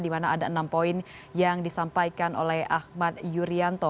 di mana ada enam poin yang disampaikan oleh ahmad yuryanto